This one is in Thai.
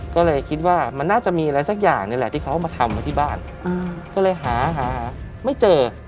ก็เลยคิดว่ามันน่าจะมีอะไรสักอย่างนี่แหละที่เขามาทำไว้ที่บ้านก็เลยหาหาไม่เจอ